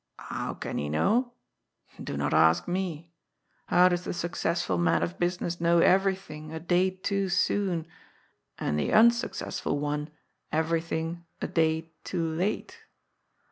''How can he know? Do not ask me. How does the successful man of business know eyerything a day too soon, and the unsuccessful one everything a day too late?